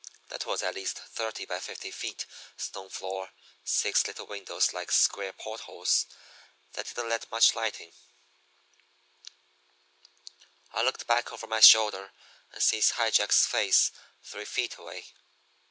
That was at least thirty by fifty feet, stone floor, six little windows like square port holes that didn't let much light in. "I looked back over my shoulder, and sees High Jack's face three feet away.